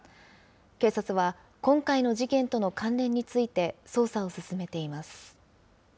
警察は、今回の事件との関連について捜査を進めています。